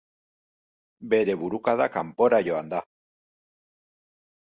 Bere burukada kanpora joan da.